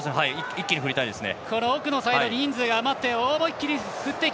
一気に振りたいですね。